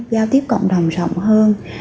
giao tiếp cộng đồng rộng hơn